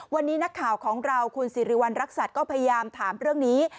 วันนี้นักข่าวของเราคุณสิริวัณรักษัตริย์ก็พยายามถามเรื่องนี้